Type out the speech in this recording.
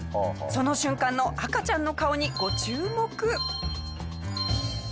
その瞬間の赤ちゃんの顔にご注目！